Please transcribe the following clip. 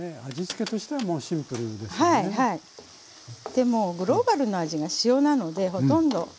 でもグローバルな味が塩なのでほとんど。